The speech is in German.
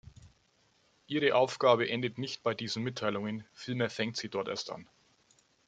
Ihre Aufgabe endet nicht bei diesen Mitteilungen, vielmehr fängt sie dort erst an.